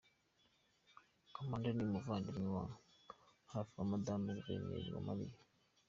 Kamanda ni umuvandimwe wa hafi wa madamu Guverineri Uwamariya.